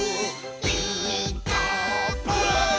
「ピーカーブ！」